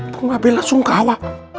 bunga bella sungkawa